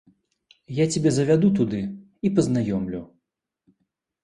Я цябе завяду туды і пазнаёмлю.